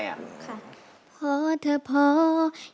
ยิ่งเสียใจ